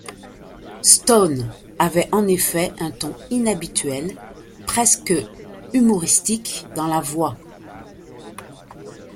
Stone avait en effet un ton inhabituel, presque humoristique dans la voix.